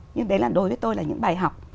nhưng đấy là đối với tôi là những bài học